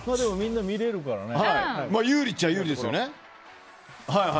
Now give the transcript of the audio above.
有利っちゃ有利ですよね。